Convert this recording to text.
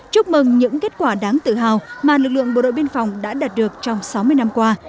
chúc mừng những kết quả đáng tự hào mà lực lượng bộ đội biên phòng đã đạt được trong sáu mươi năm qua